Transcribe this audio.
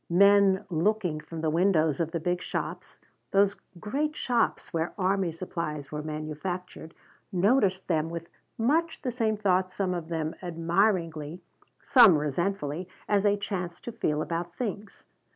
Men looking from the windows of the big shops those great shops where army supplies were manufactured noticed them with much the same thought, some of them admiringly, some resentfully, as they chanced to feel about things.